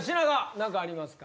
何かありますか？